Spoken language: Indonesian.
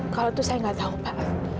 kalau itu saya nggak tahu pak